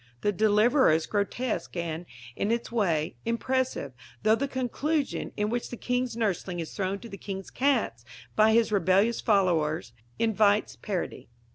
The Deliverer is grotesque and, in its way, impressive, though the conclusion, in which the King's nursling is thrown to the King's cats by his rebellious followers, invites parody.